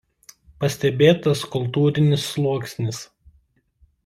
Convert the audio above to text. Pastebėtas kultūrinis sluoksnis.